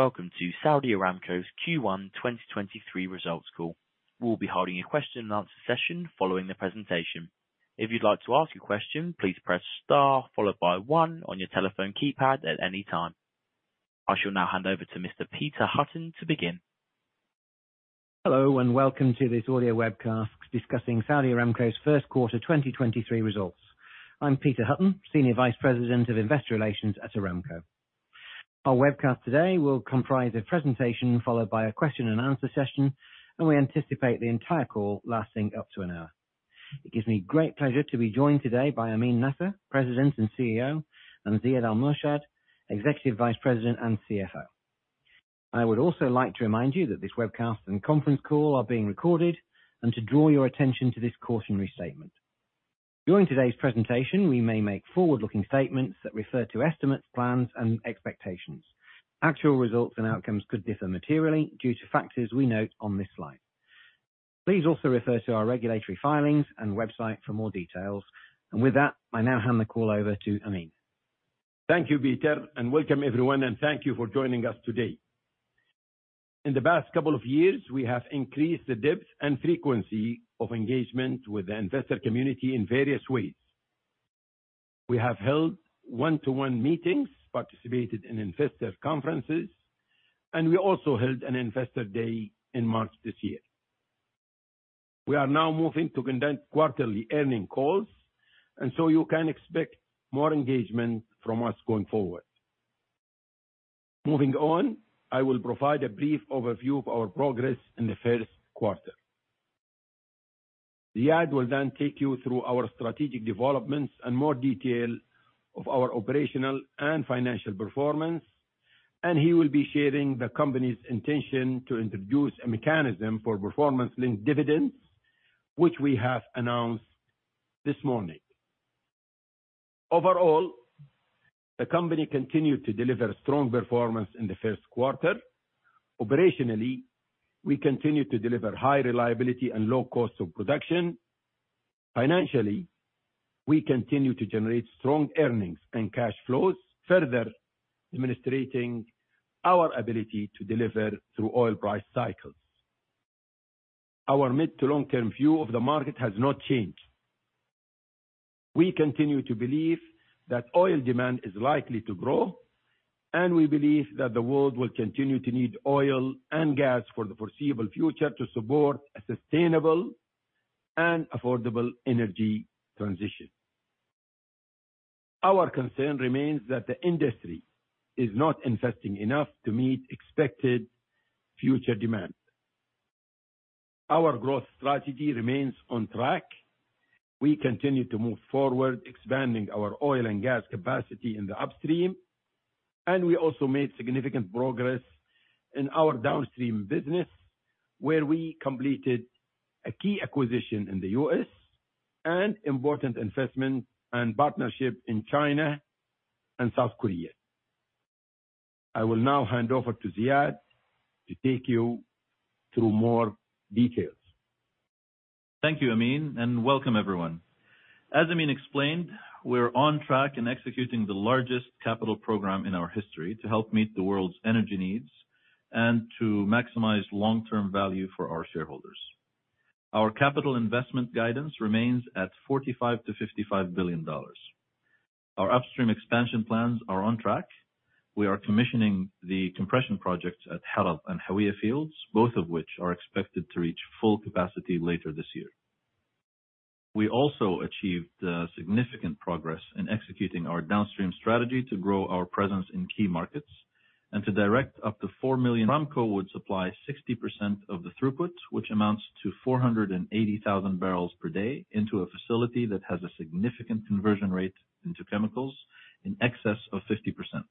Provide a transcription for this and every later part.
Welcome to Saudi Aramco's Q1 2023 Results Call. We'll be holding a question and answer session following the presentation. If you'd like to ask a question, please press star followed by one on your telephone keypad at any time. I shall now hand over to Mr. Peter Hutton to begin. Hello, welcome to this audio webcast discussing Saudi Aramco's first quarter 2023 results. I'm Peter Hutton, Senior Vice President of Investor Relations at Aramco. Our webcast today will comprise a presentation followed by a question and answer session, and we anticipate the entire call lasting up to an hour. It gives me great pleasure to be joined today by Amin Nasser, President and CEO, and Ziad Al-Murshed, Executive Vice President and CFO. I would also like to remind you that this webcast and conference call are being recorded and to draw your attention to this cautionary statement. During today's presentation, we may make forward-looking statements that refer to estimates, plans, and expectations. Actual results and outcomes could differ materially due to factors we note on this slide. Please also refer to our regulatory filings and website for more details. With that, I now hand the call over to Amin. Thank you, Peter, and welcome everyone and thank you for joining us today. In the past couple of years, we have increased the depth and frequency of engagement with the investor community in various ways. We have held one-to-one meetings, participated in investor conferences, and we also held an investor day in March this year. We are now moving to conduct quarterly earning calls. You can expect more engagement from us going forward. Moving on, I will provide a brief overview of our progress in the first quarter. Ziad will then take you through our strategic developments in more detail of our operational and financial performance, and he will be sharing the company's intention to introduce a mechanism for performance-linked dividends, which we have announced this morning. Overall, the company continued to deliver strong performance in the first quarter. Operationally, we continued to deliver high reliability and low cost of production. Financially, we continue to generate strong earnings and cash flows, further administrating our ability to deliver through oil price cycles. Our mid to long-term view of the market has not changed. We continue to believe that oil demand is likely to grow, and we believe that the world will continue to need oil and gas for the foreseeable future to support a sustainable and affordable energy transition. Our concern remains that the industry is not investing enough to meet expected future demand. Our growth strategy remains on track. We continue to move forward, expanding our oil and gas capacity in the upstream, and we also made significant progress in our downstream business, where we completed a key acquisition in the U.S. and important investment and partnership in China and South Korea. I will now hand over to Ziad to take you through more details. Thank you, Amin, and welcome everyone. As Amin explained, we're on track in executing the largest capital program in our history to help meet the world's energy needs and to maximize long-term value for our shareholders. Our capital investment guidance remains at $45 billion-$55 billion. Our upstream expansion plans are on track. We are commissioning the compression projects at Haradh and Hawiyah fields, both of which are expected to reach full capacity later this year. We also achieved significant progress in executing our downstream strategy to grow our presence in key markets and to direct up to four million Aramco would supply 60% of the throughput, which amounts to 480,000 bbl per day into a facility that has a significant conversion rate into chemicals in excess of 50%.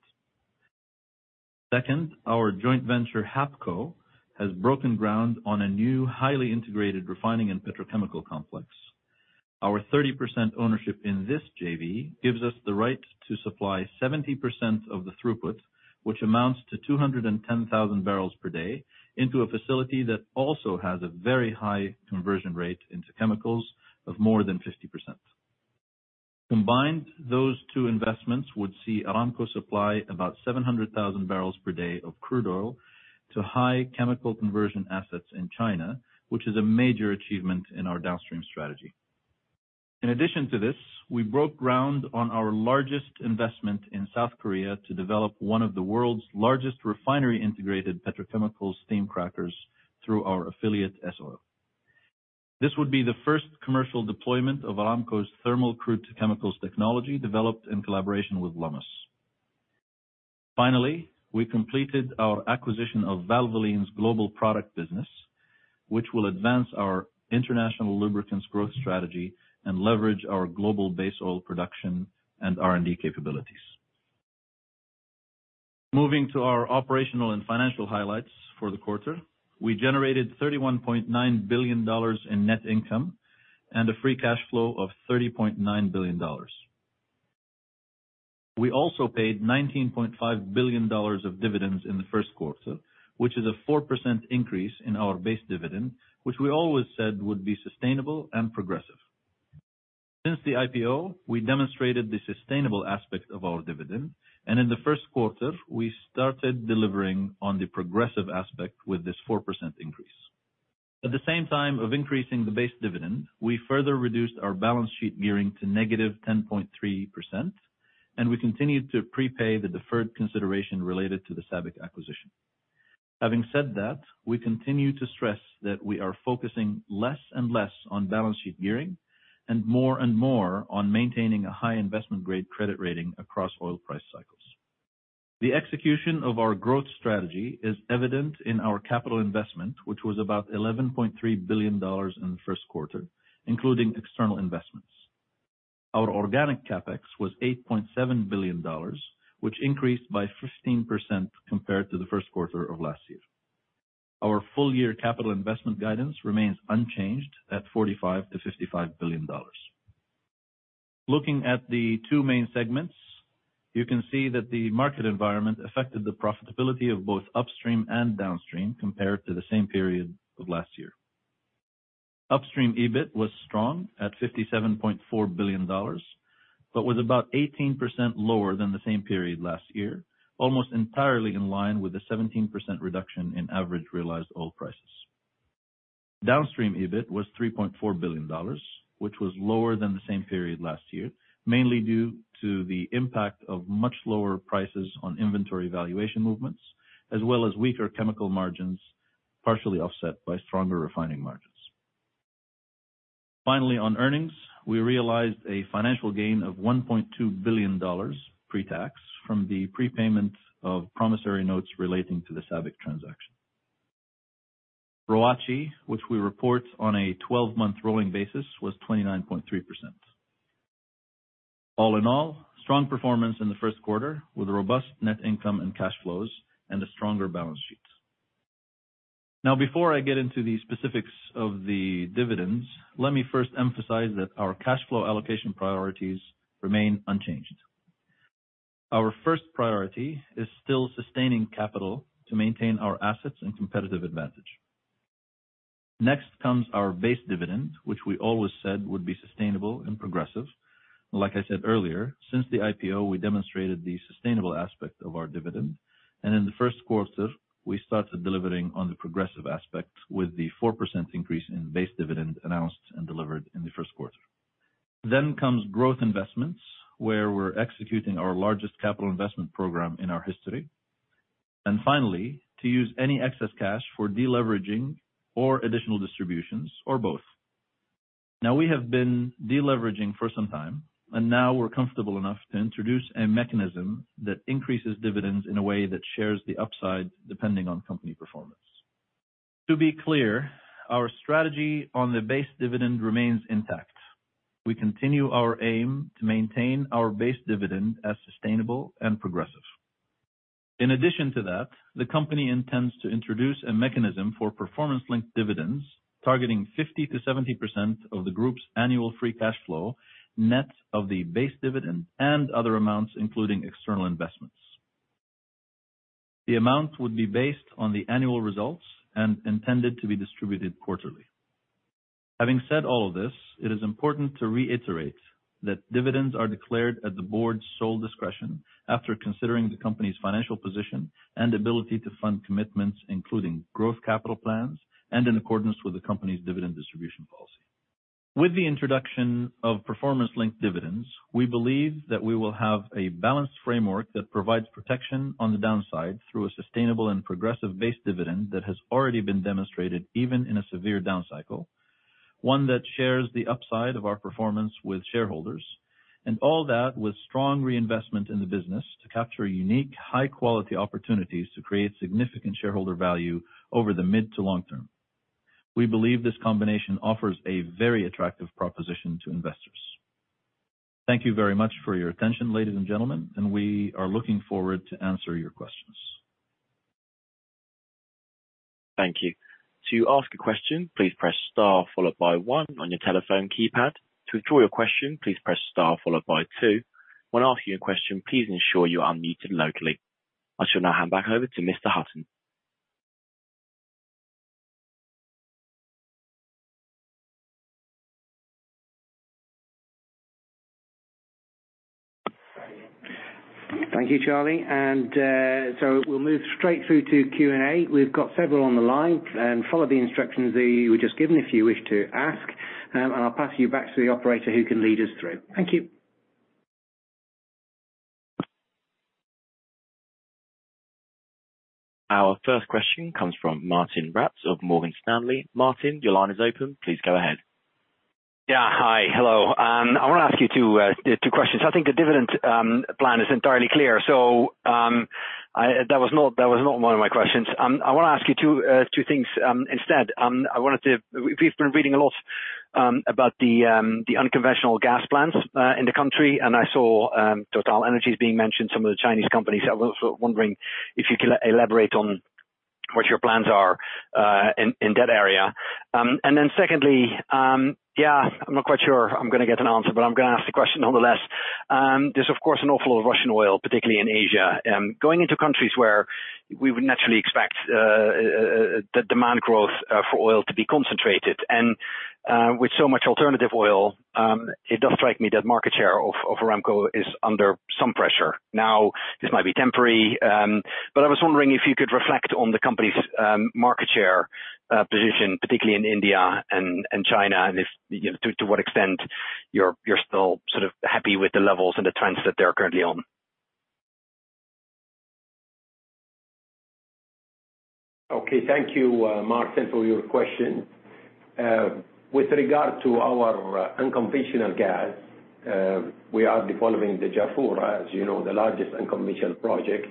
Our joint venture, HAPCO, has broken ground on a new highly integrated refining and petrochemical complex. Our 30% ownership in this JV gives us the right to supply 70% of the throughput, which amounts to 210,000 bbl per day into a facility that also has a very high conversion rate into chemicals of more than 50%. Combined, those two investments would see Aramco supply about 700,000 bbl per day of crude oil to high chemical conversion assets in China, which is a major achievement in our downstream strategy. In addition to this, we broke ground on our largest investment in South Korea to develop one of the world's largest refinery-integrated petrochemical steam crackers through our affiliate, S-OIL. This would be the first commercial deployment of Aramco's Thermal Crude to Chemicals technology developed in collaboration with Lummus. We completed our acquisition of Valvoline's global product business, which will advance our international lubricants growth strategy and leverage our global base oil production and R&D capabilities. Moving to our operational and financial highlights for the quarter. We generated $31.9 billion in net income and a free cash flow of $30.9 billion. We also paid $19.5 billion of dividends in the first quarter, which is a 4% increase in our base dividend, which we always said would be sustainable and progressive. The IPO, we demonstrated the sustainable aspect of our dividend, and in the first quarter, we started delivering on the progressive aspect with this 4% increase. At the same time of increasing the base dividend, we further reduced our balance sheet gearing to -10.3%. We continued to prepay the deferred consideration related to the SABIC acquisition. Having said that, we continue to stress that we are focusing less and less on balance sheet gearing and more and more on maintaining a high investment-grade credit rating across oil price cycles. The execution of our growth strategy is evident in our capital investment, which was about $11.3 billion in the first quarter, including external investments. Our organic CapEx was $8.7 billion, which increased by 15% compared to the first quarter of last year. Our full-year capital investment guidance remains unchanged at $45 billion-$55 billion. Looking at the two main segments, you can see that the market environment affected the profitability of both upstream and downstream compared to the same period of last year. Upstream EBIT was strong at $57.4 billion, but was about 18% lower than the same period last year, almost entirely in line with the 17% reduction in average realized oil prices. Downstream EBIT was $3.4 billion, which was lower than the same period last year, mainly due to the impact of much lower prices on inventory valuation movements, as well as weaker chemical margins, partially offset by stronger refining margins. Finally, on earnings, we realized a financial gain of $1.2 billion pre-tax from the prepayment of promissory notes relating to the SABIC transaction. ROACE, which we report on a 12-month rolling basis, was 29.3%. All in all, strong performance in the first quarter with a robust net income and cash flows and a stronger balance sheet. Before I get into the specifics of the dividends, let me first emphasize that our cash flow allocation priorities remain unchanged. Our first priority is still sustaining capital to maintain our assets and competitive advantage. Next comes our base dividend, which we always said would be sustainable and progressive. Like I said earlier, since the IPO, we demonstrated the sustainable aspect of our dividend, and in the first quarter, we started delivering on the progressive aspect with the 4% increase in base dividend announced and delivered in the first quarter. Comes growth investments, where we're executing our largest capital investment program in our history. Finally, to use any excess cash for deleveraging or additional distributions or both. We have been deleveraging for some time, we're comfortable enough to introduce a mechanism that increases dividends in a way that shares the upside depending on company performance. To be clear, our strategy on the base dividend remains intact. We continue our aim to maintain our base dividend as sustainable and progressive. In addition to that, the company intends to introduce a mechanism for performance-linked dividends, targeting 50%-70% of the group's annual free cash flow, net of the base dividend and other amounts, including external investments. The amount would be based on the annual results and intended to be distributed quarterly. Having said all of this, it is important to reiterate that dividends are declared at the board's sole discretion after considering the company's financial position and ability to fund commitments, including growth capital plans and in accordance with the company's dividend distribution policy. With the introduction of performance-linked dividends, we believe that we will have a balanced framework that provides protection on the downside through a sustainable and progressive base dividend that has already been demonstrated, even in a severe down cycle, one that shares the upside of our performance with shareholders, and all that with strong reinvestment in the business to capture unique, high-quality opportunities to create significant shareholder value over the mid to long term. We believe this combination offers a very attractive proposition to investors. Thank you very much for your attention, ladies and gentlemen, and we are looking forward to answer your questions. Thank you. To ask a question, please press star followed by one on your telephone keypad. To withdraw your question, please press star followed by two. When asking your question, please ensure you are unmuted locally. I shall now hand back over to Mr. Hutton. Thank you, Charlie. We'll move straight through to Q&A. We've got several on the line, and follow the instructions that you were just given, if you wish to ask. I'll pass you back to the operator who can lead us through. Thank you. Our first question comes from Martijn Rats of Morgan Stanley. Martin, your line is open. Please go ahead. Yeah. Hi. Hello. I want to ask you two questions. I think the dividend plan is entirely clear. That was not one of my questions. I want to ask you two things instead. We've been reading a lot about the unconventional gas plants in the country, and I saw TotalEnergies being mentioned, some of the Chinese companies. I was wondering if you could elaborate on what your plans are in that area. Then secondly, yeah, I'm not quite sure I'm gonna get an answer, but I'm gonna ask the question nonetheless. There's of course an awful lot of Russian oil, particularly in Asia, going into countries where we would naturally expect the demand growth for oil to be concentrated. With so much alternative oil, it does strike me that market share of Aramco is under some pressure. Now, this might be temporary, but I was wondering if you could reflect on the company's market share position, particularly in India and China, to what extent you're still sort of happy with the levels and the trends that they're currently on. Thank you, Martin, for your question. With regard to our unconventional gas, we are developing the Jafurah, as you know, the largest unconventional project.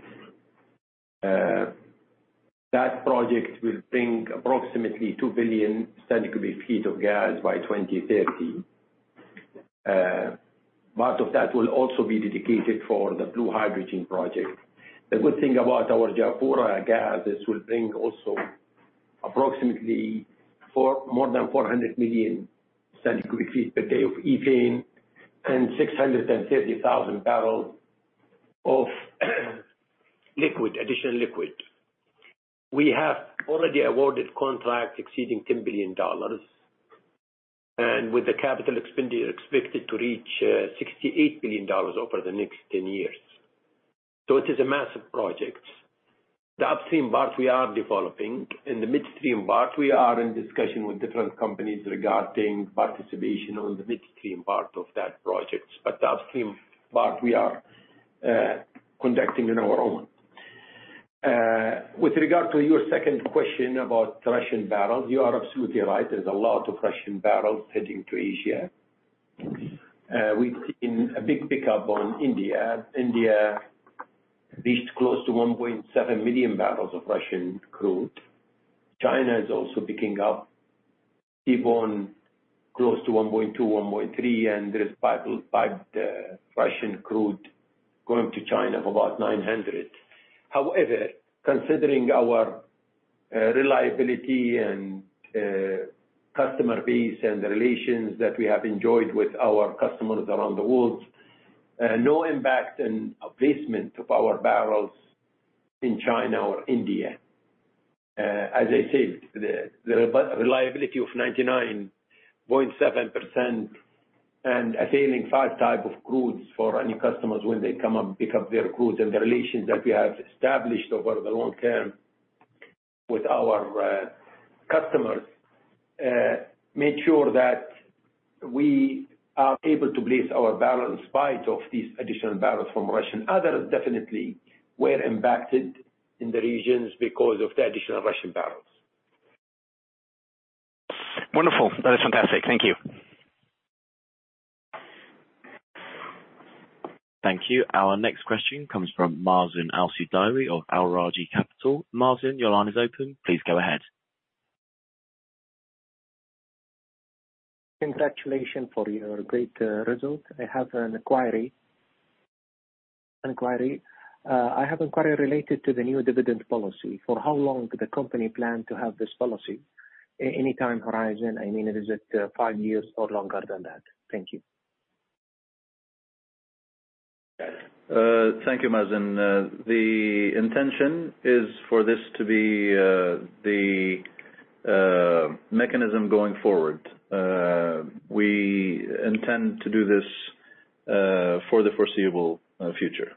That project will bring approximately two billion standard cubic feet of gas by 2030. Part of that will also be dedicated for the blue hydrogen project. The good thing about our Jafurah gas, this will bring also approximately more than 400 million standard cubic feet per day of ethane and 630,000 bbl of liquid, additional liquid. We have already awarded contracts exceeding $10 billion, with the capital expenditure expected to reach $68 billion over the next 10 years. It is a massive project. The upstream part we are developing. In the midstream part, we are in discussion with different companies regarding participation on the midstream part of that project. The upstream part we are conducting on our own. With regard to your second question about Russian barrels, you are absolutely right. There's a lot of Russian barrels heading to Asia. We've seen a big pickup on India. India based close to 1.7 million bbl of Russian crude. China is also picking up, airborne close to 1.2, 1.3, and there is piped Russian crude going to China of about 900. Considering our reliability and customer base and the relations that we have enjoyed with our customers around the world, no impact in placement of our barrels in China or India. As I said, the reliability of 99.7% and assailing five type of crudes for any customers when they come up pick up their crudes and the relations that we have established over the long term with our customers made sure that we are able to place our barrels spite of these additional barrels from Russian. Others definitely were impacted in the regions because of the additional Russian barrels. Wonderful. That is fantastic. Thank you. Thank you. Our next question comes from Mazen Al-Sudairi of Al Rajhi Capital. Mazen, your line is open. Please go ahead. Congratulations for your great result. I have an inquiry. I have inquiry related to the new dividend policy. For how long do the company plan to have this policy? Any time horizon? I mean, is it five years or longer than that? Thank you. Thank you, Mazen. The intention is for this to be, the, mechanism going forward. We intend to do this, for the foreseeable, future.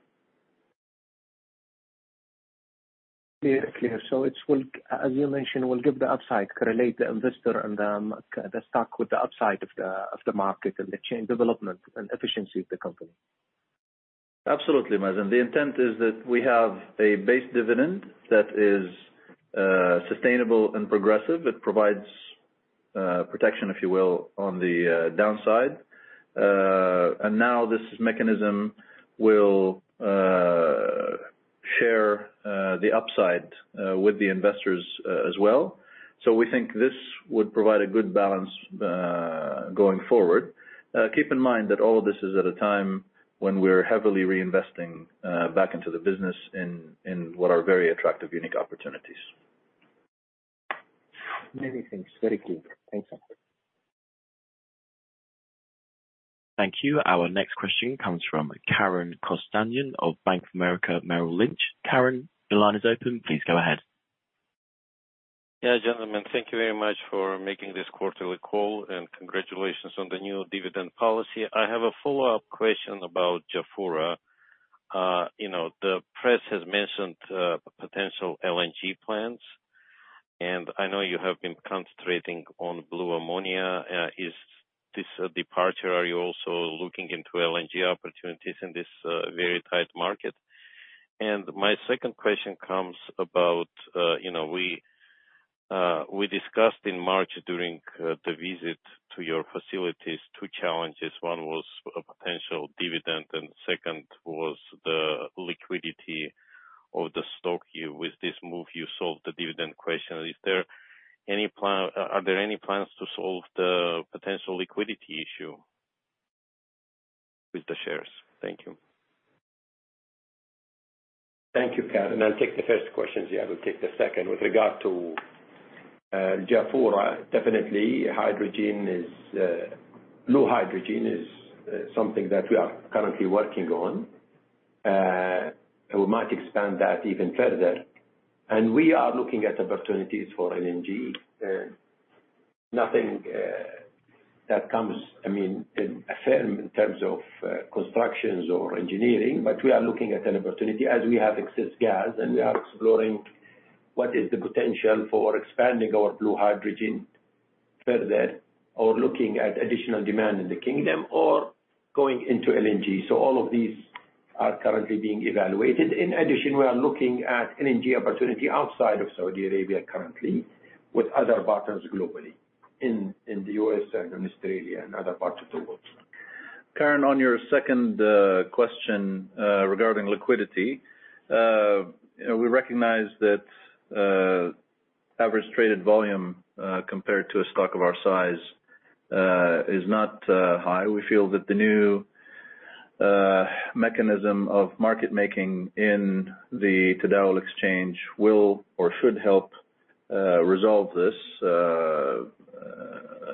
Yeah. Okay. It will, as you mentioned, will give the upside, correlate the investor and the stock with the upside of the, of the market and the chain development and efficiency of the company. Absolutely, Mazen. The intent is that we have a base dividend that is sustainable and progressive. It provides protection, if you will, on the downside. This mechanism will share the upside with the investors as well. We think this would provide a good balance going forward. Keep in mind that all of this is at a time when we're heavily reinvesting back into the business in what are very attractive, unique opportunities. Many thanks. Very clear. Thanks. Thank you. Our next question comes from Karen Kostanyan of Bank of America Merrill Lynch. Karen, your line is open. Please go ahead. Yeah, gentlemen. Thank you very much for making this quarterly call, and congratulations on the new dividend policy. I have a follow-up question about Jafurah. You know, the press has mentioned potential LNG plans, and I know you have been concentrating on blue ammonia. Is this a departure? Are you also looking into LNG opportunities in this very tight market? My second question comes about, you know, we discussed in March during the visit to your facilities two challenges. One was a potential dividend, and second was the liquidity of the stock. You with this move, you solved the dividend question. Is there any plan? Are there any plans to solve the potential liquidity issue with the shares? Thank you. If you can, I'll take the first question. Ziad will take the second. With regard to Jafurah, definitely hydrogen is low hydrogen is something that we are currently working on. We might expand that even further. We are looking at opportunities for LNG. Nothing that comes, I mean, in affirm in terms of constructions or engineering, but we are looking at an opportunity as we have excess gas, and we are exploring what is the potential for expanding our blue hydrogen further or looking at additional demand in the kingdom or going into LNG. All of these are currently being evaluated. In addition, we are looking at LNG opportunity outside of Saudi Arabia currently with other partners globally, in the U.S. and in Australia and other parts of the world. Karen, on your second question regarding liquidity. You know, we recognize that average traded volume compared to a stock of our size is not high. We feel that the new mechanism of market making in the Tadawul Exchange will or should help resolve this.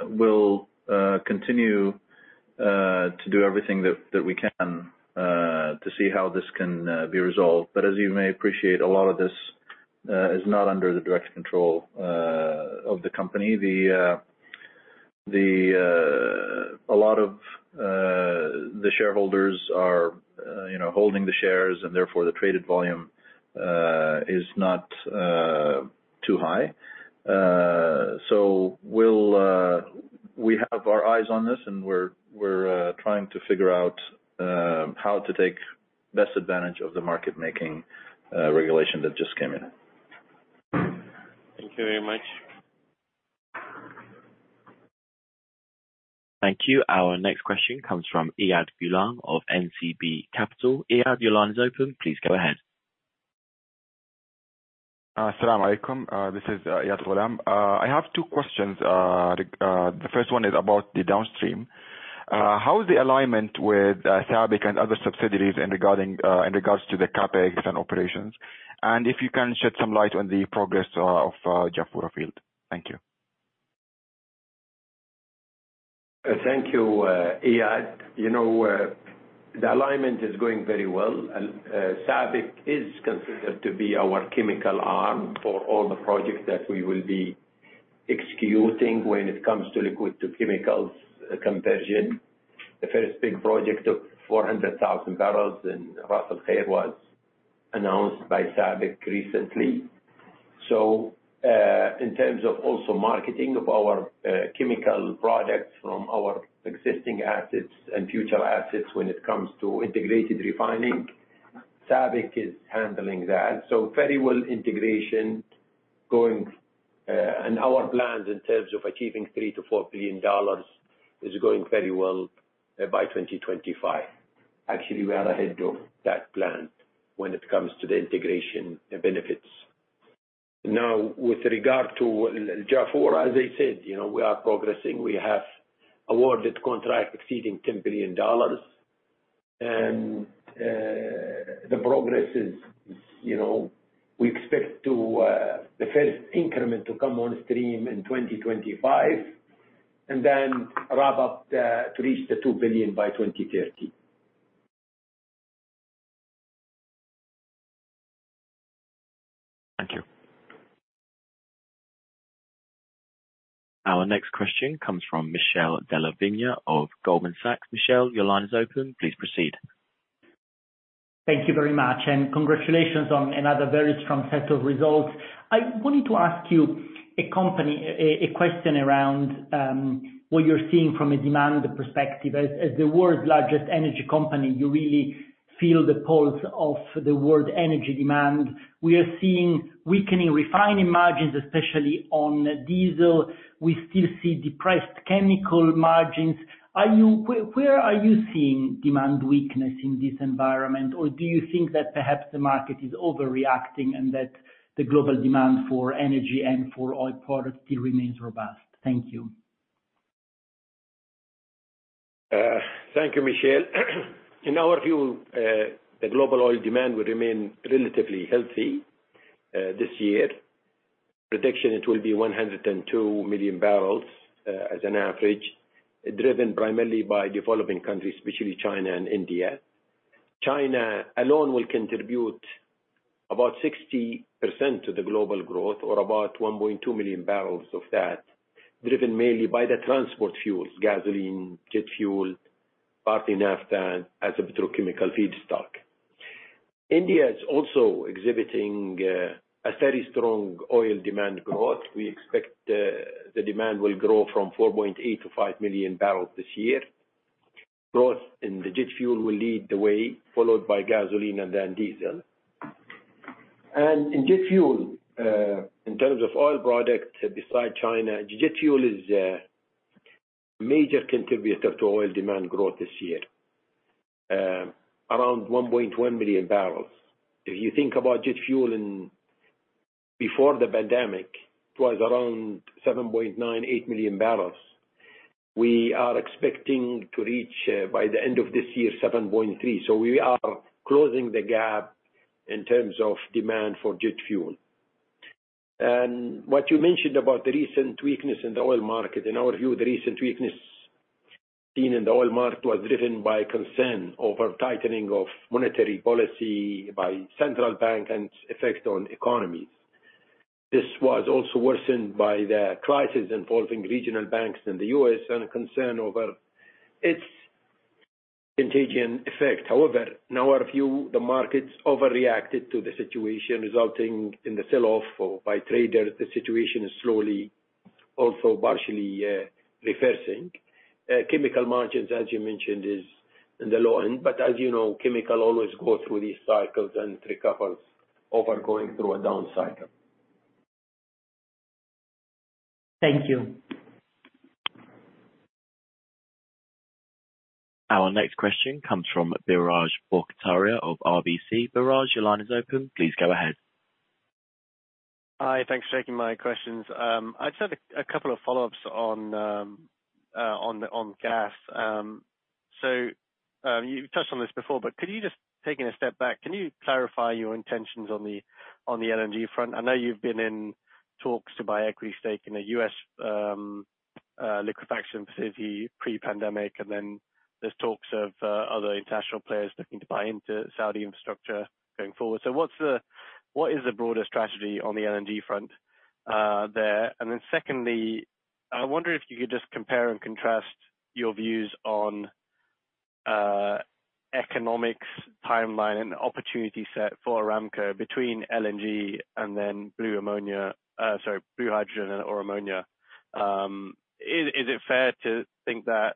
We'll continue to do everything that we can to see how this can be resolved. As you may appreciate, a lot of this is not under the direct control of the company. The a lot of the shareholders are, you know, holding the shares, and therefore, the traded volume is not too high. We'll, we have our eyes on this, and we're trying to figure out, how to take best advantage of the market making regulation that just came in. Thank you very much. Thank you. Our next question comes from Iyad Ghulam of NCB Capital. Iyad, your line is open. Please go ahead. Salaam alaykum. This is Iyad Ghulam. I have two questions. The first one is about the downstream. How is the alignment with SABIC and other subsidiaries in regards to the CapEx and operations? If you can shed some light on the progress of Jafurah field. Thank you. Thank you, Iyad. You know, the alignment is going very well. SABIC is considered to be our chemical arm for all the projects that we will be executing when it comes to liquids to chemicals conversion. The first big project of 400,000 bbl in Ras Al-Khair was announced by SABIC recently. In terms of also marketing of our chemical products from our existing assets and future assets when it comes to integrated refining, SABIC is handling that. Very well integration going. Our plans in terms of achieving $3 billion-$4 billion is going very well by 2025. Actually, we are ahead of that plan when it comes to the integration benefits. Now, with regard to Jafurah, as I said, you know, we are progressing. We have awarded contract exceeding $10 billion. The progress is, you know, we expect to the first increment to come on stream in 2025, and then ramp up to reach the two billion by 2030. Thank you. Our next question comes from Michele Della Vigna of Goldman Sachs. Michele, your line is open. Please proceed. Thank you very much. Congratulations on another very strong set of results. I wanted to ask you a question around what you're seeing from a demand perspective. As the world's largest energy company, you really feel the pulse of the world energy demand. We are seeing weakening refining margins, especially on diesel. We still see depressed chemical margins. Where are you seeing demand weakness in this environment? Or do you think that perhaps the market is overreacting and that the global demand for energy and for oil products still remains robust? Thank you. Thank you, Michele. In our view, the global oil demand will remain relatively healthy this year. Prediction, it will be 102 million barrels as an average, driven primarily by developing countries, especially China and India. China alone will contribute about 60% to the global growth or about 1.2 million bbl of that, driven mainly by the transport fuels, gasoline, jet fuel, partly naphtha as a petrochemical feedstock. India is also exhibiting a very strong oil demand growth. We expect the demand will grow from 4.8 million-5 million bbl this year. Growth in the jet fuel will lead the way, followed by gasoline and then diesel. In jet fuel, in terms of oil products beside China, jet fuel is a major contributor to oil demand growth this year. Around 1.1 million barrels. If you think about jet fuel Before the pandemic, it was around 7.9, 8 million bbl. We are expecting to reach by the end of this year 7.3. We are closing the gap in terms of demand for jet fuel. What you mentioned about the recent weakness in the oil market. In our view, the recent weakness seen in the oil market was driven by concern over tightening of monetary policy by central bank and effect on economies. This was also worsened by the crisis involving regional banks in the U.S. and a concern over its contagion effect. In our view, the markets overreacted to the situation, resulting in the sell-off by traders. The situation is slowly, also partially, reversing. Chemical margins, as you mentioned, is in the low end, but as you know, chemical always go through these cycles and recovers over going through a down cycle. Thank you. Our next question comes from Biraj Borkhataria of RBC. Biraj, your line is open. Please go ahead. Hi. Thanks for taking my questions. I just have a couple of follow-ups on gas. You touched on this before, but could you just taking a step back, can you clarify your intentions on the LNG front? I know you've been in talks to buy equity stake in a U.S. liquefaction facility pre-pandemic, and then there's talks of other international players looking to buy into Saudi infrastructure going forward. What is the broader strategy on the LNG front there? Secondly, I wonder if you could just compare and contrast your views on economics timeline and opportunity set for Aramco between LNG and then blue ammonia, sorry, blue hydrogen or ammonia. Is it fair to think that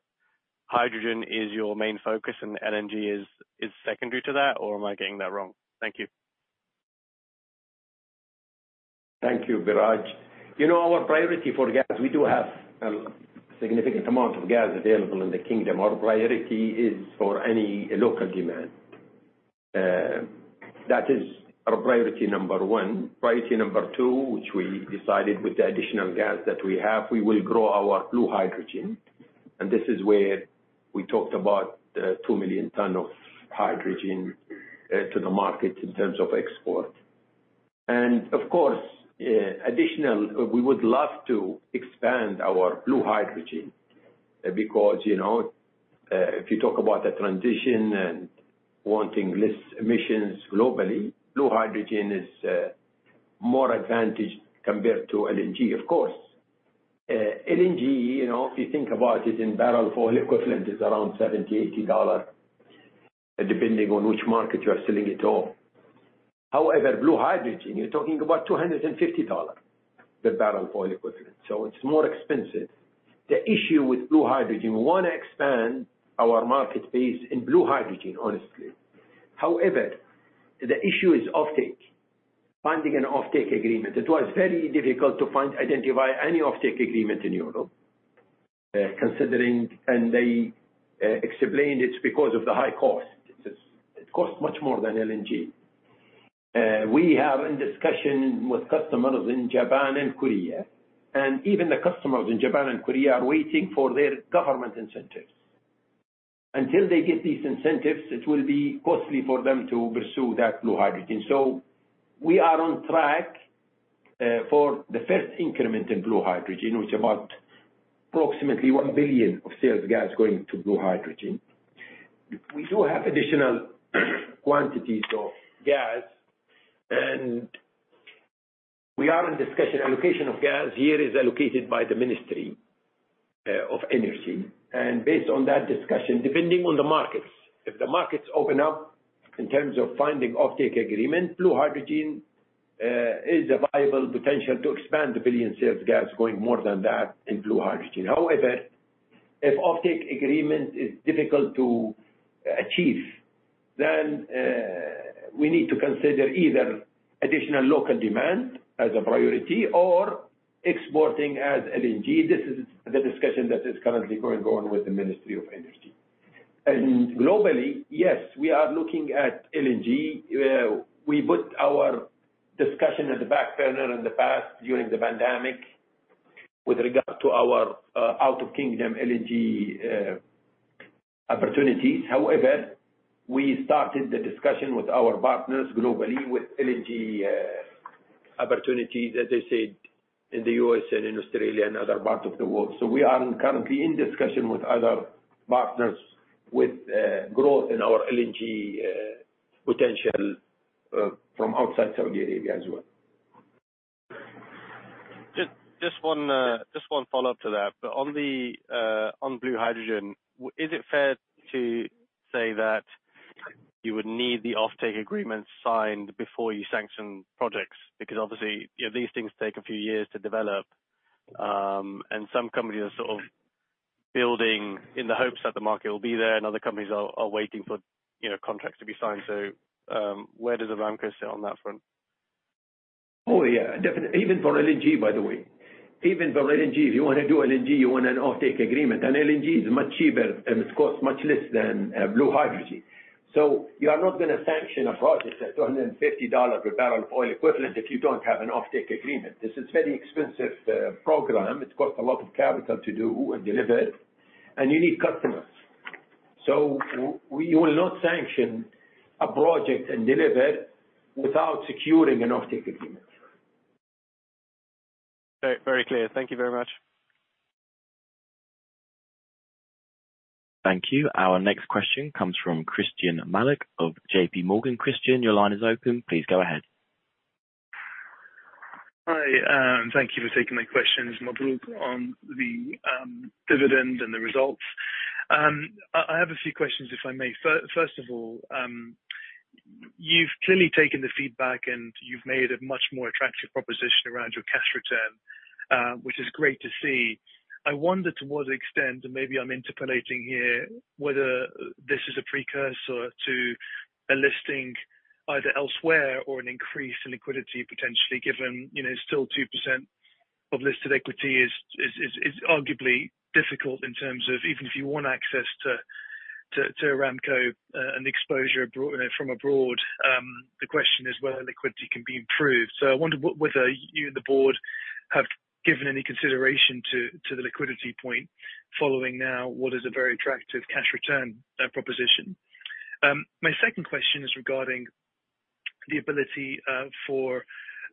hydrogen is your main focus and LNG is secondary to that, or am I getting that wrong? Thank you. Thank you, Biraj. You know, our priority for gas, we do have a significant amount of gas available in the kingdom. Our priority is for any local demand. That is our priority number one. Priority number two, which we decided with the additional gas that we have, we will grow our blue hydrogen. This is where we talked about the two million ton of hydrogen to the market in terms of export. Of course, additional, we would love to expand our blue hydrogen because, you know, if you talk about the transition and wanting less emissions globally, blue hydrogen is more advantage compared to LNG. Of course, LNG, you know, if you think about it in barrel of oil equivalent, is around $70-$80, depending on which market you are selling it to. Blue hydrogen, you're talking about $250, the barrel of oil equivalent, so it's more expensive. The issue with blue hydrogen, we wanna expand our market base in blue hydrogen, honestly. The issue is offtake. Finding an offtake agreement. It was very difficult to find, identify any offtake agreement in Europe, considering and they explained it's because of the high cost. It costs much more than LNG. We have in discussion with customers in Japan and Korea, and even the customers in Japan and Korea are waiting for their government incentives. Until they get these incentives, it will be costly for them to pursue that blue hydrogen. We are on track for the first increment in blue hydrogen, which about approximately $1 billion of sales gas going to blue hydrogen. We do have additional quantities of gas, and we are in discussion allocation of gas. Here it is allocated by the Ministry of Energy. Based on that discussion, depending on the markets, if the markets open up in terms of finding offtake agreement, blue hydrogen is a viable potential to expand the 1 billion sales gas going more than that in blue hydrogen. However, if offtake agreement is difficult to achieve, then, we need to consider either additional local demand as a priority or exporting as LNG. This is the discussion that is currently going on with the Ministry of Energy. Globally, yes, we are looking at LNG. We put our discussion at the back burner in the past during the pandemic with regard to our out of kingdom LNG opportunities. We started the discussion with our partners globally with LNG opportunities, as I said, in the U.S. and in Australia and other parts of the world. We are currently in discussion with other partners with growth in our LNG potential from outside Saudi Arabia as well. Just one follow-up to that. On blue hydrogen, is it fair to say that you would need the offtake agreements signed before you sanction projects? Because obviously, you know, these things take a few years to develop, and some companies are sort of building in the hopes that the market will be there and other companies are waiting for, you know, contracts to be signed. Where does Aramco sit on that front? Oh, yeah, even for LNG, by the way. Even from LNG, if you want to do LNG, you want an offtake agreement. LNG is much cheaper and it costs much less than blue hydrogen. You are not going to sanction a project at $250 per barrel oil equivalent if you don't have an offtake agreement. This is very expensive program. It costs a lot of capital to do and deliver, and you need customers. We will not sanction a project and deliver without securing an offtake agreement. Very clear. Thank you very much. Thank you. Our next question comes from Christyan Malek of JPMorgan. Christyan, your line is open. Please go ahead. Hi, thank you for taking my questions, Amin Nasser, on the dividend and the results. I have a few questions, if I may. First of all, you've clearly taken the feedback, and you've made a much more attractive proposition around your cash return, which is great to see. I wonder to what extent, and maybe I'm interpolating here, whether this is a precursor to a listing either elsewhere or an increase in liquidity potentially, given, you know, still 2% of listed equity is arguably difficult in terms of even if you want access to Aramco, and exposure abroad, you know, from abroad. The question is whether liquidity can be improved. I wonder what, whether you and the board have given any consideration to the liquidity point following now what is a very attractive cash return proposition. My second question is regarding the ability for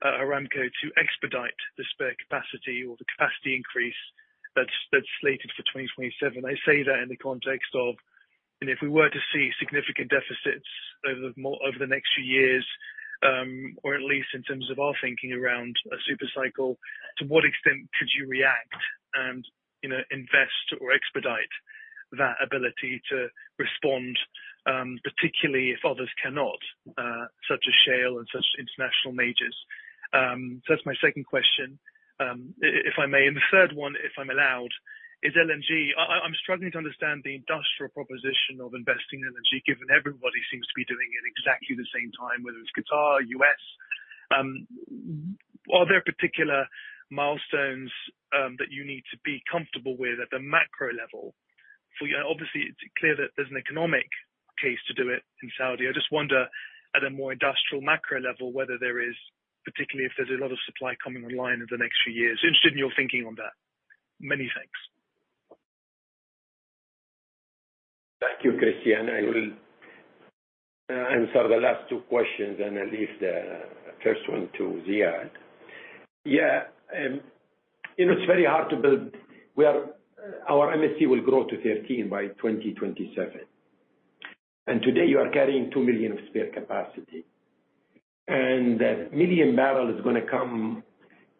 Aramco to expedite the spare capacity or the capacity increase that's slated for 2027. I say that in the context of, you know, if we were to see significant deficits over the next few years, or at least in terms of our thinking around a super cycle, to what extent could you react and, you know, invest or expedite that ability to respond, particularly if others cannot, such as shale and such international majors? That's my second question. If I may. The third one, if I'm allowed, is LNG. I'm struggling to understand the industrial proposition of investing in LNG, given everybody seems to be doing it exactly the same time, whether it's Qatar, U.S. Are there particular milestones that you need to be comfortable with at the macro level? For you obviously, it's clear that there's an economic case to do it in Saudi. I just wonder at a more industrial macro level, whether there is particularly if there's a lot of supply coming online in the next few years. Interested in your thinking on that? Many thanks. Thank you, Christyan. I will answer the last two questions, and I'll leave the first one to Ziad Al-Murshed. Yeah, you know, it's very hard to build. Our MSC will grow to 13 by 2027. Today, you are carrying two million of spare capacity. That million barrel is gonna come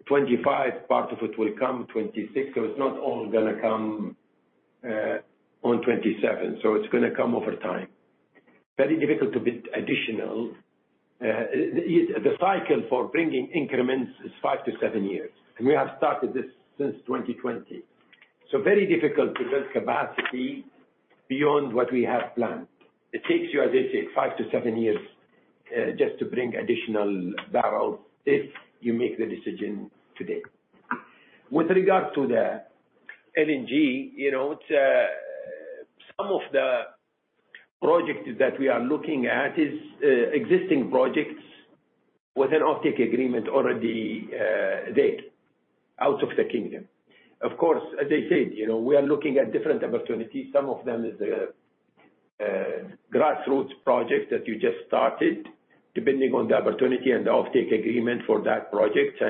2025. Part of it will come 2026. It's not all gonna come on 27. It's gonna come over time. Very difficult to build additional. The cycle for bringing increments is five to seven years, and we have started this since 2020. Very difficult to build capacity beyond what we have planned. It takes you, as I said, five to seven years just to bring additional barrels if you make the decision today. With regard to the LNG, you know, it's, some of the projects that we are looking at is, existing projects with an offtake agreement already, there out of the kingdom. Of course, as I said, you know, we are looking at different opportunities. Some of them is the, grassroots projects that you just started, depending on the opportunity and the offtake agreement for that project.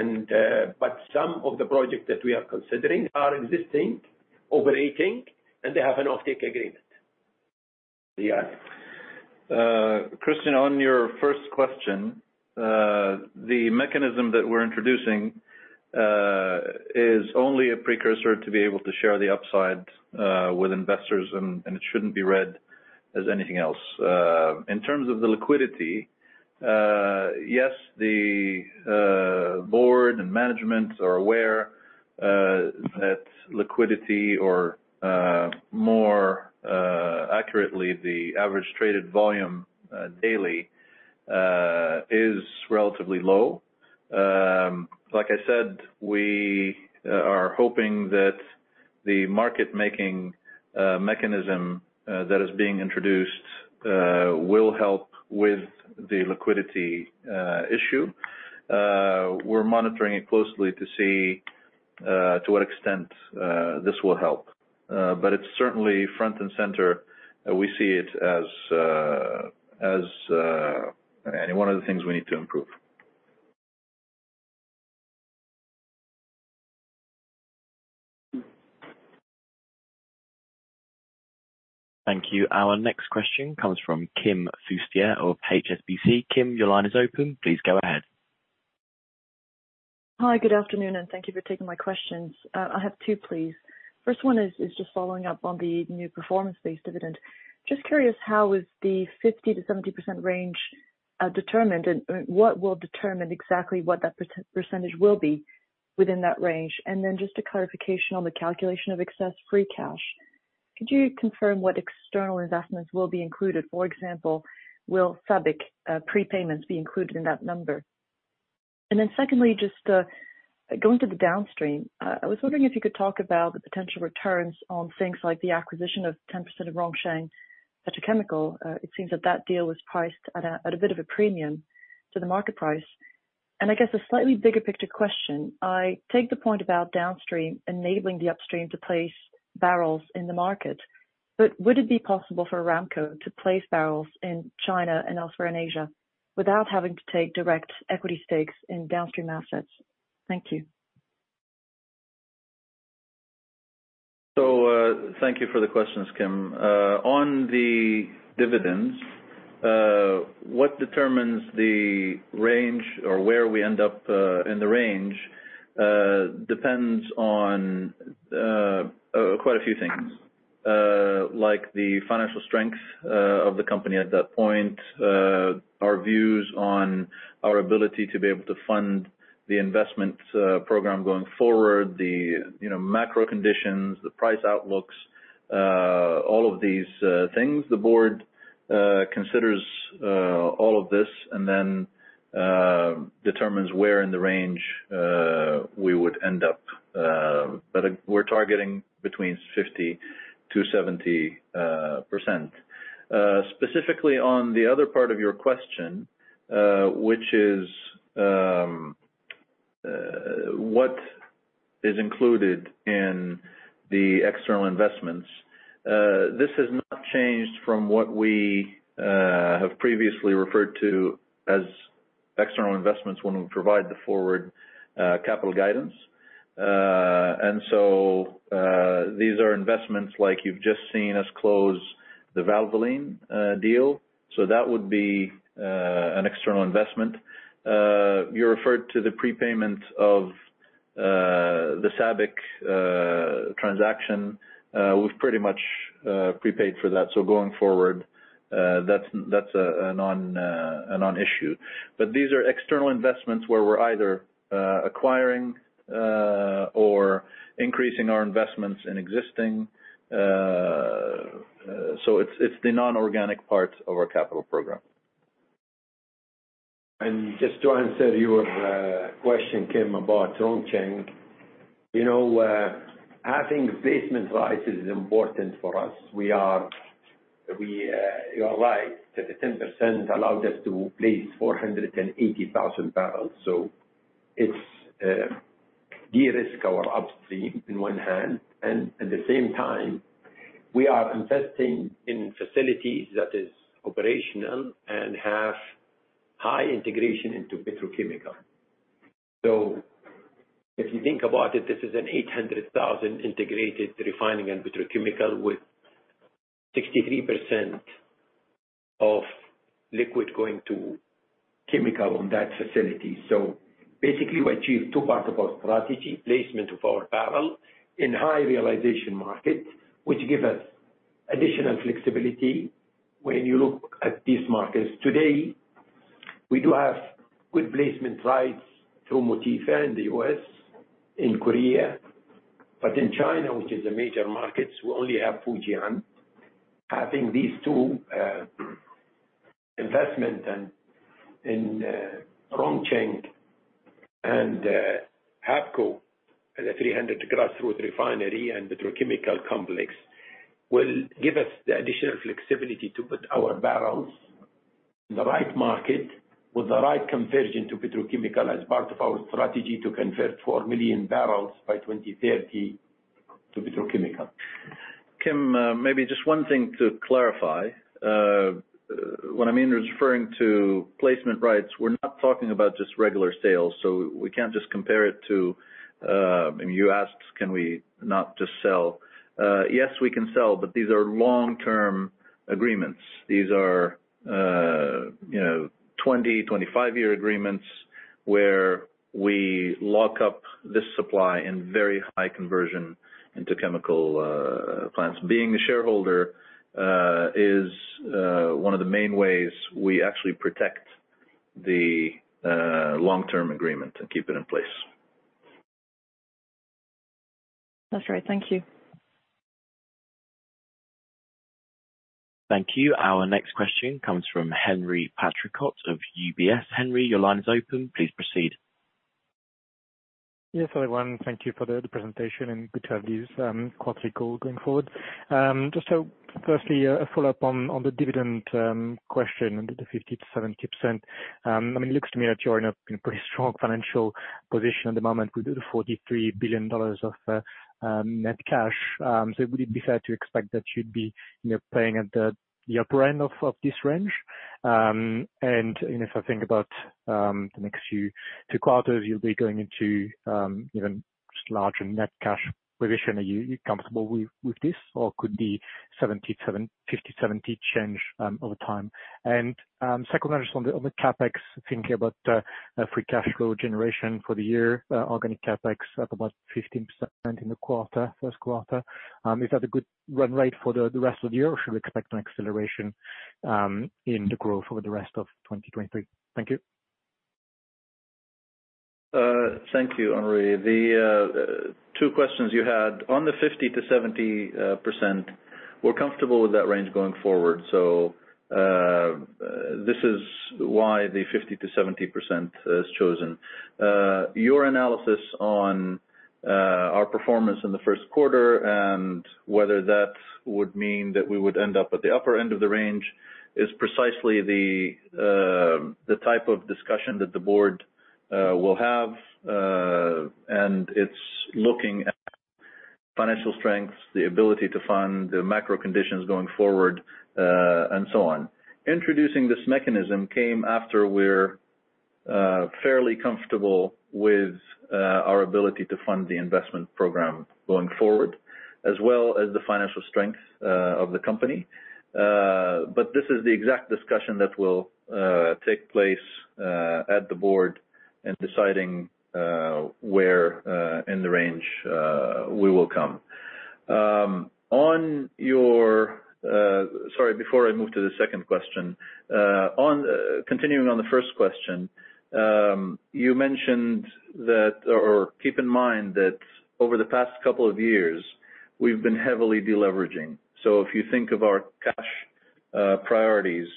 But some of the projects that we are considering are existing, operating, and they have an offtake agreement. Ziad. Christyan, on your first question, the mechanism that we're introducing is only a precursor to be able to share the upside with investors, and it shouldn't be read as anything else. In terms of the liquidity, yes, the board and management are aware that liquidity or more accurately, the average traded volume daily is relatively low. Like I said, we are hoping that the market-making mechanism that is being introduced will help with the liquidity issue. We're monitoring it closely to see to what extent this will help. It's certainly front and center. We see it as one of the things we need to improve. Thank you. Our next question comes from Kim Fustier of HSBC. Kim, your line is open. Please go ahead. Hi, good afternoon, and thank you for taking my questions. I have two, please. First one is just following up on the new performance-based dividend. Just curious, how is the 50%-70% range determined, and what will determine exactly what that percentage will be within that range? Just a clarification on the calculation of excess free cash. Could you confirm what external investments will be included? For example, will SABIC prepayments be included in that number? Secondly, just going to the downstream. I was wondering if you could talk about the potential returns on things like the acquisition of 10% of Rongsheng Petrochemical. It seems that that deal was priced at a bit of a premium to the market price. I guess a slightly bigger picture question, I take the point about downstream enabling the upstream to place barrels in the market. Would it be possible for Aramco to place barrels in China and elsewhere in Asia without having to take direct equity stakes in downstream assets? Thank you. Thank you for the questions, Kim. On the dividends, what determines the range or where we end up in the range depends on quite a few things. Like the financial strength of the company at that point, our views on our ability to be able to fund the investment program going forward. The, you know, macro conditions, the price outlooks, all of these things. The board considers all of this and then determines where in the range we would end up. We're targeting between 50%-70%. Specifically on the other part of your question, which is what is included in the external investments. This has not changed from what we have previously referred to as external investments when we provide the forward capital guidance. These are investments like you've just seen us close the Valvoline deal. That would be an external investment. You referred to the prepayment of the SABIC transaction. We've pretty much prepaid for that. Going forward, that's a non-issue. These are external investments where we're either acquiring or increasing our investments in existing. It's the non-organic parts of our capital program. Just to answer your question, Kim, about Rongsheng. You know, having placement rights is important for us. You are right that the 10% allowed us to place 480,000 bbl. It's de-risk our upstream in one hand, and at the same time, we are investing in facilities that is operational and have high integration into petrochemical. If you think about it, this is an 800,000 integrated refining and petrochemical with 63% of liquid going to chemical on that facility. Basically, we achieved two parts of our strategy, placement of our barrel in high realization market, which give us additional flexibility when you look at these markets today. We do have good placement rights through Motiva in the U.S., in Korea, but in China, which is a major market, we only have Fujian. Having these two investment and Rongsheng and HAPCO, the 300 grassroots refinery and petrochemical complex, will give us the additional flexibility to put our barrels in the right market with the right conversion to petrochemical as part of our strategy to convert 4 million bbl by 2030 to petrochemical. Kim, maybe just one thing to clarify. When Amin was referring to placement rights, we're not talking about just regular sales. We can't just compare it to, and you asked, can we not just sell? Yes, we can sell, but these are long-term agreements. These are, you know, 20, 25-year agreements where we lock up this supply in very high conversion into chemical plants. Being a shareholder is one of the main ways we actually protect the long-term agreement and keep it in place. That's right. Thank you. Thank you. Our next question comes from Henri Patricot of UBS. Henry, your line is open. Please proceed. Yes, hello everyone. Thank you for the presentation and good to have these quarterly call going forward. Just so firstly, a follow-up on the dividend question under the 50%-70%. I mean, it looks to me that you're in a pretty strong financial position at the moment with the $43 billion of net cash. Would it be fair to expect that you'd be, you know, playing at the upper end of this range? You know, if I think about the next few, two quarters, you'll be going into even just larger net cash position. Are you comfortable with this? Or could the 50-70 change over time? Second one just on the CapEx, thinking about free cash flow generation for the year, organic CapEx up about 15% in the quarter, first quarter. Is that a good run rate for the rest of the year? Or should we expect an acceleration in the growth over the rest of 2023? Thank you. Thank you, Henri. The two questions you had. On the 50%-70%, we're comfortable with that range going forward. This is why the 50%-70% is chosen. Your analysis on our performance in the first quarter and whether that would mean that we would end up at the upper end of the range is precisely the type of discussion that the board will have. It's looking at financial strengths, the ability to fund the macro conditions going forward, and so on. Introducing this mechanism came after we're fairly comfortable with our ability to fund the investment program going forward, as well as the financial strength of the company. This is the exact discussion that will take place at the board in deciding where in the range we will come. Sorry, before I move to the second question. Continuing on the first question, you mentioned that or keep in mind that over the past couple of years we've been heavily deleveraging. If you think of our cash priorities,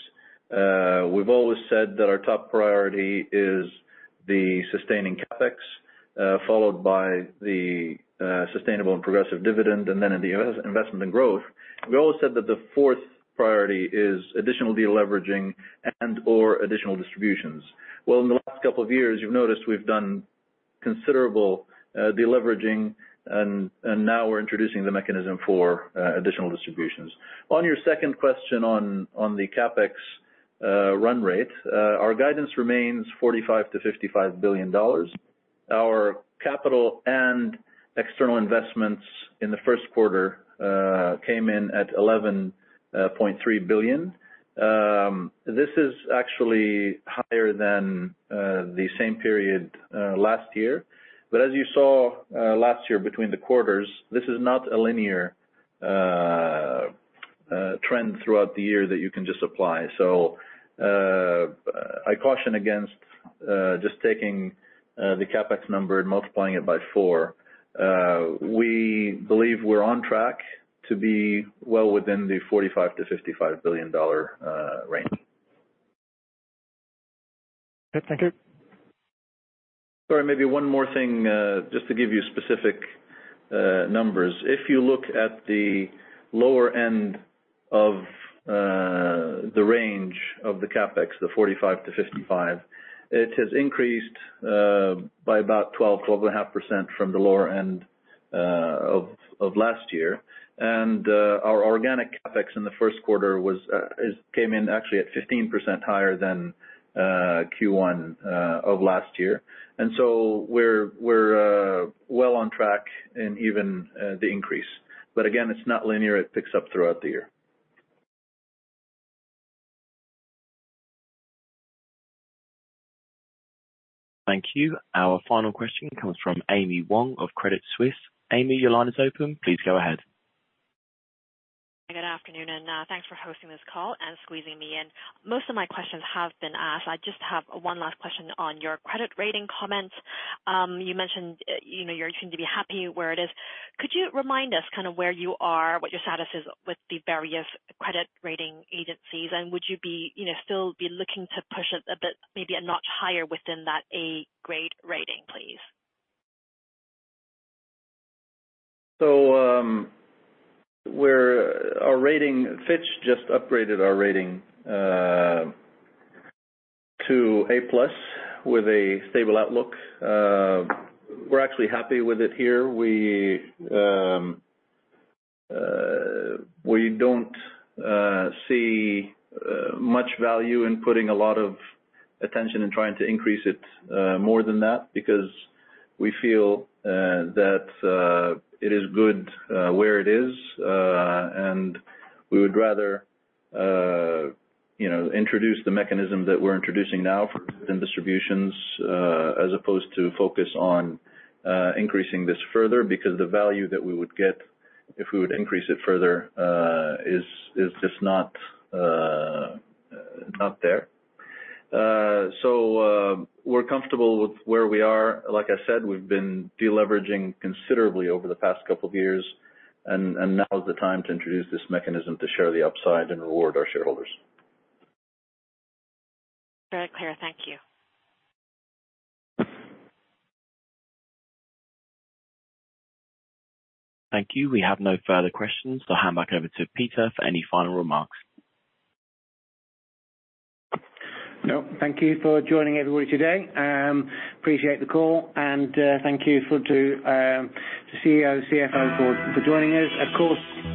we've always said that our top priority is the sustaining CapEx, followed by the sustainable and progressive dividend, and then in the investment growth. We all said that the fourth priority is additional deleveraging and/or additional distributions. In the last couple of years, you've noticed we've done considerable deleveraging, and now we're introducing the mechanism for additional distributions. On your second question on the CapEx run rate, our guidance remains $45 billion-$55 billion. Our capital and external investments in the first quarter came in at $11.3 billion. This is actually higher than the same period last year. As you saw last year between the quarters, this is not a linear trend throughout the year that you can just apply. I caution against just taking the CapEx number and multiplying it by four. We believe we're on track to be well within the $45 billion-$55 billion range. Okay, thank you. Sorry, maybe one more thing, just to give you specific numbers. If you look at the lower end of the range of the CapEx, the 45-55, it has increased by about 12 and a half% from the lower end of last year. Our organic CapEx in the first quarter came in actually at 15% higher than Q1 of last year. We're well on track in even the increase. Again, it's not linear. It picks up throughout the year. Thank you. Our final question comes from Amy Wong of Credit Suisse. Amy, your line is open. Please go ahead. Good afternoon. Thanks for hosting this call and squeezing me in. Most of my questions have been asked. I just have one last question on your credit rating comments. You mentioned, you know, you're continuing to be happy where it is. Could you remind us kind of where you are, what your status is with the various credit rating agencies? Would you be, you know, still be looking to push it a bit, maybe a notch higher within that A grade rating, please? Our rating Fitch just upgraded our rating to A+ with a stable outlook. We're actually happy with it here. We don't see much value in putting a lot of attention in trying to increase it more than that, because we feel that it is good where it is. We would rather, you know, introduce the mechanism that we're introducing now for return distributions, as opposed to focus on increasing this further, because the value that we would get if we would increase it further, is just not there. We're comfortable with where we are. Like I said, we've been deleveraging considerably over the past couple of years, and now is the time to introduce this mechanism to share the upside and reward our shareholders. Very clear. Thank you. Thank you. We have no further questions. I'll hand back over to Peter for any final remarks. No, thank you for joining everybody today. Appreciate the call and, thank you to CEO, CFO on board for joining us. Of course-